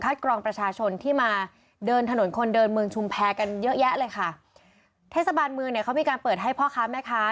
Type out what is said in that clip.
กรองประชาชนที่มาเดินถนนคนเดินเมืองชุมแพรกันเยอะแยะเลยค่ะเทศบาลเมืองเนี่ยเขามีการเปิดให้พ่อค้าแม่ค้า